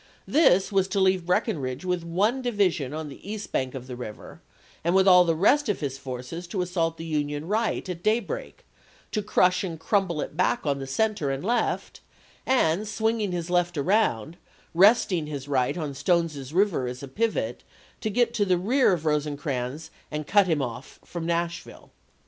This was to leave Breckinridge with one division on the east bank of the river, and with all the rest of his forces to assault the Union right at daybreak, to crush and crumble it back on the center and left, and swing ing his left around, resting his right on Stone's River as a pivot, to get in the rear of Rosecrans and cut him off from Nashville.